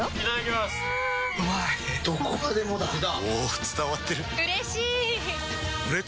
どこまでもだあ！